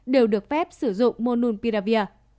đều được phép sử dụng mononpiravir